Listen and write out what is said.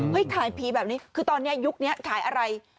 ขายผีแบบนี้คือตอนนี้ยุคนี้ขายอะไร